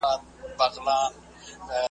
رنګین ګلونه پر ګرېوانه سول ,